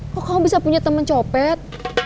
kok kamu bisa punya temen copet